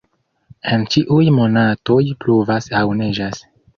En ĉiuj monatoj pluvas aŭ neĝas.